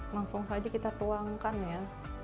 langsung saja kita tuangkan ya